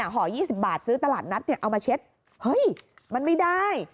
ห่อ๒๐บาทซื้อตลาดนัดเอามาเช็ดเฮ้ยมันไม่ได้